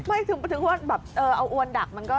ไม่ถึงว่าเอาอวนดักมันก็